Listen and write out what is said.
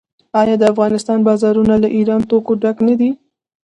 آیا د افغانستان بازارونه له ایراني توکو ډک نه دي؟